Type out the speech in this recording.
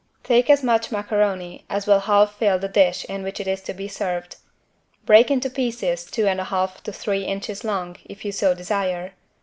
Take as much macaroni as will half fill the dish in which it is to be served. Break into pieces two and a half to three inches long if you so desire.